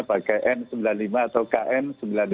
pakai n sembilan puluh lima atau kn sembilan puluh lima